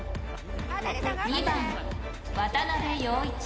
２番渡部陽一。